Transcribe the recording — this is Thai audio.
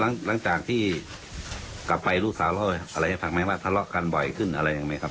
อ๋อครับแล้วหลังจากที่กลับไปลูกสาวเล่าอะไรให้ฟังไหมว่าทะเลาะกันบ่อยขึ้นอะไรยังไหมครับ